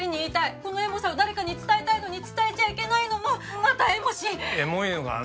このエモさを誰かに伝えたいのに伝えちゃいけないのもまたエモし。